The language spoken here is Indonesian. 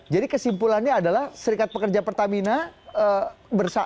jadi kesimpulannya adalah serikat pekerja pertamina